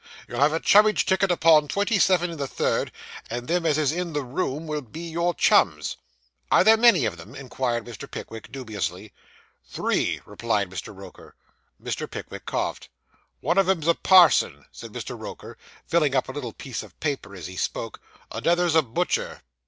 You'll have a chummage ticket upon twenty seven in the third, and them as is in the room will be your chums.' 'Are there many of them?' inquired Mr. Pickwick dubiously. 'Three,' replied Mr. Roker. Mr. Pickwick coughed. 'One of 'em's a parson,' said Mr. Roker, filling up a little piece of paper as he spoke; 'another's a butcher.